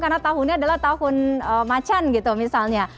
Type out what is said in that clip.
karena tahunnya adalah tahun macan gitu misalnya